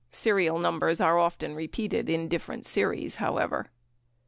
Serial numbers are often repeated in different series, however.